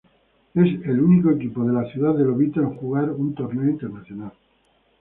Es el único equipo de la ciudad de Lobito en jugar un torneo internacional.